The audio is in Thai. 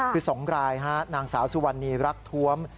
คือ๒รายนางสาวสุวรรณีรักท้วม